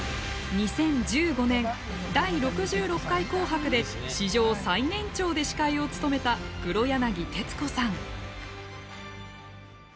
２０１５年「第６６回紅白」で史上最年長で司会を務めた黒柳徹子さん。